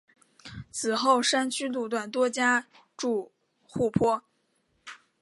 此后山区路段多加筑护坡。